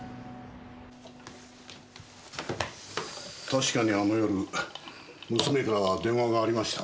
確かにあの夜娘からは電話がありました。